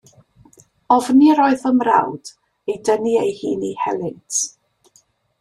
Ofni yr oedd i fy mrawd ei dynnu ei hun i helynt.